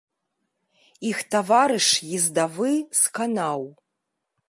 Іх таварыш ездавы сканаў.